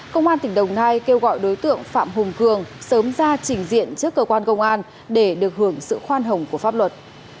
công an tỉnh đồng nai kêu gọi đối tượng phạm hùng cường sớm ra trình diện trước cơ quan công an để được hưởng sự khoan hồng của pháp luật